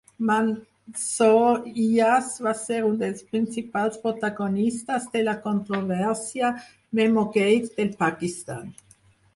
Mansoor Ijaz va ser un dels principals protagonistes de la controvèrsia "Memogate" del Pakistan.